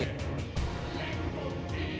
เออนี่